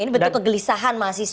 ini bentuk kegelisahan mahasiswa